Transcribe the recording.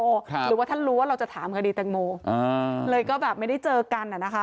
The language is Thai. หรือว่าท่านรู้ว่าเราจะถามคดีแตงโมอ่าเลยก็แบบไม่ได้เจอกันอ่ะนะคะ